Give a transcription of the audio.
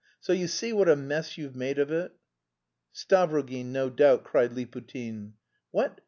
So you see what a mess you've made of it!" "Stavrogin, no doubt," cried Liputin. "What...